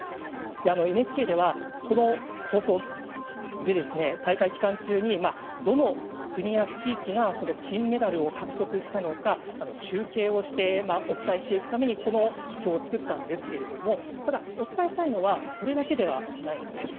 ＮＨＫでは、この放送で大会期間中にどの国や地域が金メダルを獲得したのか集計をしてお伝えしていくためにこの表を作ったんですけれどもただ、お伝えしたいのはそれだけではないんです。